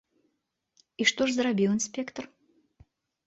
І што ж зрабіў інспектар?